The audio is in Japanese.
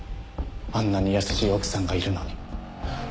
あんなに優しい奥さんがいるのに。